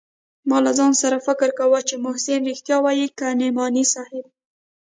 ما له ځان سره فکر کاوه چې محسن رښتيا وايي که نعماني صاحب.